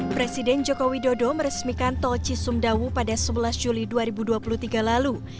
presiden joko widodo meresmikan tol cisumdawu pada sebelas juli dua ribu dua puluh tiga lalu